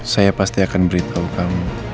saya pasti akan beritahu kamu